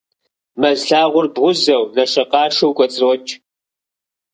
Мэз лъагъуэр бгъузэу, нэшэкъашэу кӀуэцӀрокӀ.